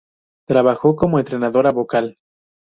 Trabajó como entrenadora vocal.